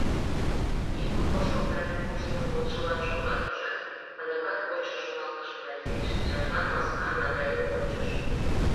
«Еҥым воштылтарен пуштмым модышлан шотлат, ужат?» — адакат кочын шоналтыш Метрий, шинчажлан маска, Натале кончыш.